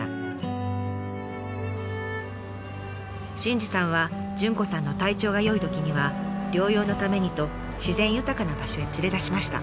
真史さんは潤子さんの体調が良いときには療養のためにと自然豊かな場所へ連れ出しました。